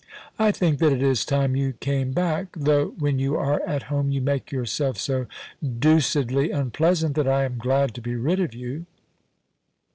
I think that it is time you came back, though when you are at home you make yourself so deucedly unpleasant that I am glad to be rid of you.'